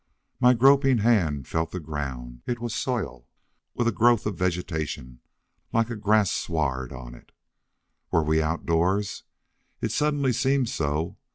My groping hand felt the ground. It was soil, with a growth of vegetation like a grass sward on it. Were we outdoors? It suddenly seemed so.